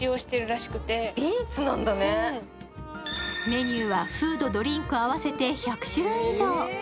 メニューはフード、ドリンク合わせて１００種類以上。